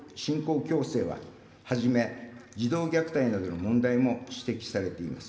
強制はじめ、児童虐待などの問題も指摘されています。